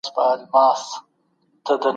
د پښتو ژبي دپاره باید تلپاته پروګرامونه جوړ سي